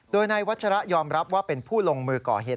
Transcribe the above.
โดยนายวัชระยอมรับว่าเป็นผู้ลงมือก่อเหตุ